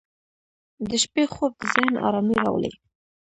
• د شپې خوب د ذهن آرامي راولي.